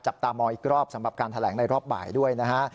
จับตามองอีกรอบสำหรับการแถลงในรอบบ่ายด้วยนะฮะ